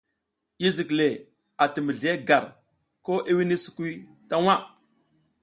Yi zik le a ti mizlihey gar ko i wini sukuy ta waʼ.